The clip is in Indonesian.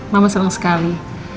mama senang sekali